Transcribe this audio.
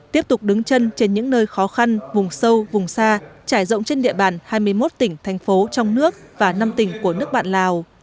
tiếp tục đứng chân trên những nơi khó khăn vùng sâu vùng xa trải rộng trên địa bàn hai mươi một tỉnh thành phố trong nước và năm tỉnh của nước bạn lào